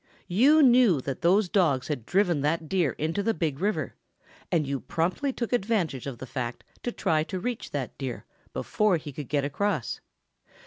You knew that those dogs had driven that Deer into the Big River and you promptly took advantage of the fact to try to reach that Deer before he could get across.